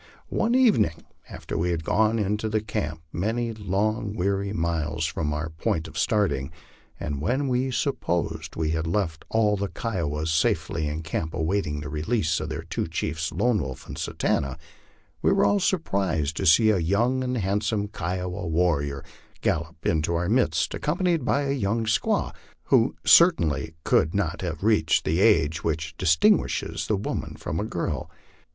One evening after we had gone into camp, many long weary miles from our point of starting, and when we supposed we had left all the Kiowas safely in camp awaiting the release of their two chiefs, Lone Wolf and Satanta, we were all surprised to see a young and handsome Kiowa warrior gallop into our midst accompanied by a young squaw, who certainly could not have reached the age which distinguishes the woman from the girl.